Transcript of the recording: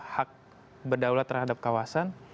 hak berdaulat terhadap kawasan